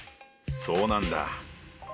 そうなんだ。